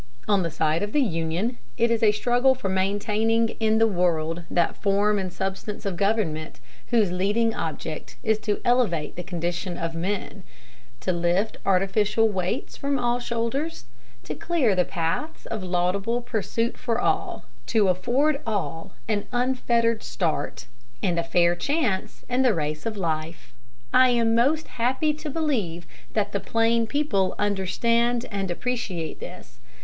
On the side of the Union it is a struggle for maintaining in the world that form and substance of government whose leading object is to elevate the condition of men; to lift artificial weights from all shoulders; to clear the paths of laudable pursuit for all; to afford all an unfettered start, and a fair chance in the race of life.... I am most happy to believe that the plain people understand and appreciate this.